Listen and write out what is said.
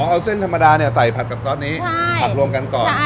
เอาเส้นธรรมดาใส่ผัดกับซอสนี้ผัดรวมกันก่อน